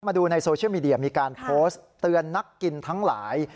มาดูในโซเชียลมีเดียมีการโพสต์เตือนนักกินทั้งหลาย